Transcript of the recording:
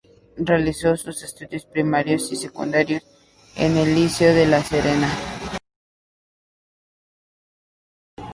Realizó sus estudios primarios y secundarios en el Liceo de La Serena.